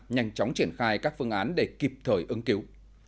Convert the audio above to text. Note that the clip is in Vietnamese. nhanh chóng triển khai các phương án để kịp thời ứng cứu